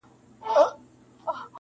په خبره ولي نه سره پوهېږو،